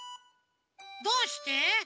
どうして？